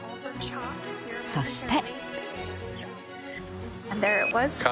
そして。